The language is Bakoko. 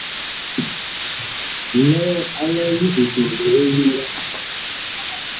Ŋlɛɛ a lɛ livito, legee winda.